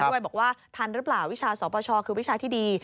ด้วยบอกว่าทันหรือเปล่าวิชาสปชคือวิชาที่ดี